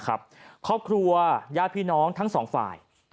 ครอบครัวญาติพี่น้องทั้งสองฝ่าย